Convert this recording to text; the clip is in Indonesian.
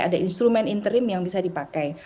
ada instrumen interim yang bisa dipakai